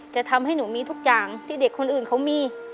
จะทำให้หนูมีทุกอย่างที่เด็กคนอื่นเขามี